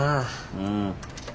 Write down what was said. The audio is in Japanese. うん。